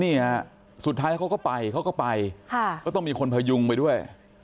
เนี่ยสุดท้ายเขาก็ไปเขาก็ไปก็ต้องมีคนพยุงไปด้วย